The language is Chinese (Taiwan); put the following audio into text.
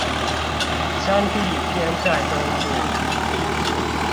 山地偏在東部